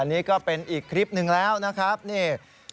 นี่ก็เป็นอีกคลิปหนึ่งแล้วนะครับนี่